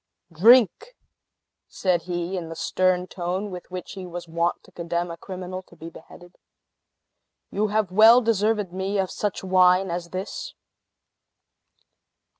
"Drink!" said he, in the stern tone with which he was wont to condemn a criminal to be beheaded. "You have well deserved of me such wine as this!"